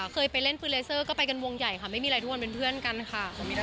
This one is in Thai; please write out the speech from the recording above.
เคยไปเล่นฟูเลเซอร์ก็ไปกันวงใหญ่ค่ะไม่มีอะไรทุกวันเป็นเพื่อนกันค่ะ